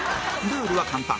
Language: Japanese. ルールは簡単。